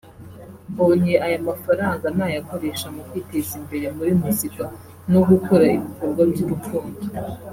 “Mbonye aya mafaranga nayakoresha mu kwiteza imbere muri muzika no gukora ibikorwa by’urukundo”